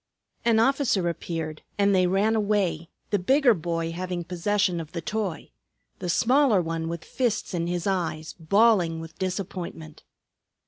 An officer appeared, and they ran away, the bigger boy having possession of the toy; the smaller one with fists in his eyes, bawling with disappointment.